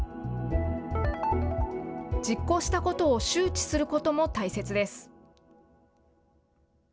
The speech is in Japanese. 実行したことを周知することも大切です。